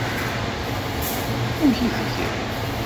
Amek i tgiḍ?